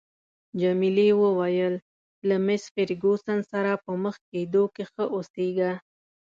جميلې وويل: له مېس فرګوسن سره په مخ کېدو کې ښه اوسیږه.